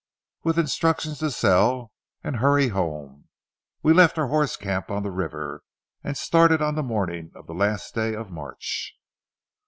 With instructions to sell and hurry home, we left our horse camp on the river, and started on the morning of the last day of March.